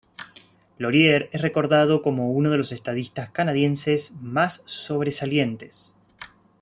Laurier es recordado como uno de los estadistas canadienses más sobresalientes.